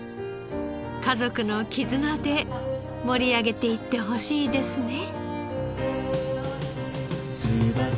家族の絆で盛り上げていってほしいですね。